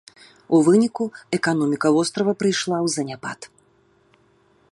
У выніку, эканоміка вострава прыйшла ў заняпад.